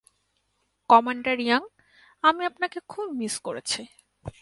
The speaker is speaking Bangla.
কমান্ডার ইয়াং, আমি আপনাকে খুব মিস করেছি।